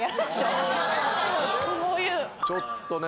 ちょっとね